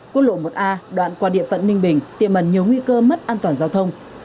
quốc lộ một a đoạn qua địa phận ninh bình tiềm ẩn nhiều nguy cơ mất an toàn giao thông